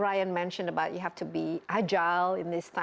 ryan sebutkan kamu harus beragil di saat ini